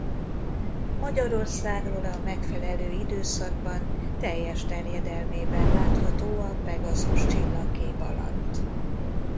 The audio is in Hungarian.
Magyarországról a megfelelő időszakban teljes terjedelmében látható a Pegazus csillagkép alatt.